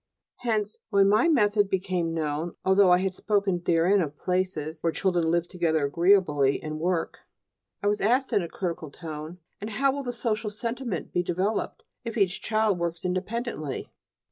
Hence when my method became known, although I had spoken therein of places where children live together agreeably and work, I was asked in a critical tone: "And how will the social sentiment be developed if each child works independently?"